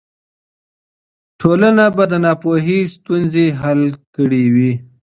ټولنه به د ناپوهۍ ستونزې حل کړې وي.